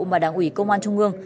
mà đảng ủy công an trung ương